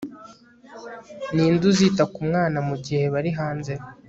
ninde uzita ku mwana mugihe bari hanze